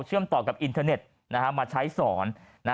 ต่อกับอินเทอร์เน็ตมาใช้สอน